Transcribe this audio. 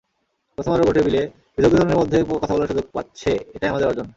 প্রথম আলোর গোলটেবিলে বিদগ্ধজনের মধ্যে কথা বলার সুযোগ পাচ্ছে, এটাই আমাদের অর্জন।